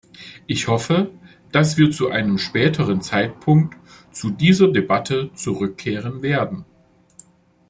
Ich hoffe, dass wir zu einem späteren Zeitpunkt zu dieser Debatte zurückkehren werden.